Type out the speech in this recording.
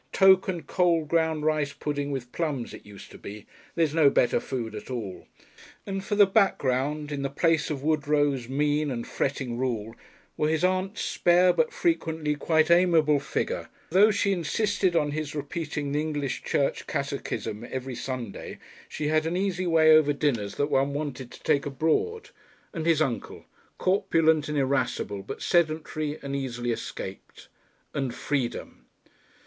Toke and cold ground rice pudding with plums it used to be there is no better food at all. And for the background, in the place of Woodrow's mean, fretting rule, were his aunt's spare but frequently quite amiable figure for though she insisted on his repeating the English Church Catechism every Sunday, she had an easy way over dinners that one wanted to take abroad and his uncle, corpulent and irascible, but sedentary and easily escaped. And freedom!